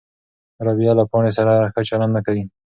رابعه له پاڼې سره ښه چلند نه کوي.